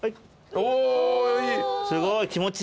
おいい。